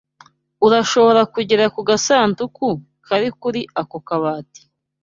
Urashobora kugera ku gasanduku kari kuri ako kabati?